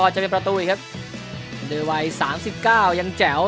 จะเป็นประตูอีกครับโดยวัยสามสิบเก้ายังแจ๋ว